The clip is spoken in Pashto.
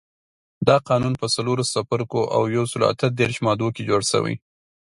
دا قانون په څلورو څپرکو او یو سلو اته دیرش مادو کې جوړ شوی.